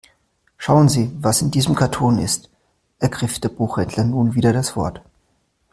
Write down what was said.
Schauen Sie, was in diesem Karton ist, ergriff der Buchhändler nun wieder das Wort.